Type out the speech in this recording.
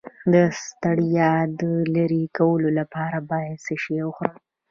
د ستړیا د لرې کولو لپاره باید څه شی وخورم؟